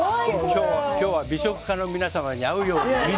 今日は、美食家の皆様に合うように。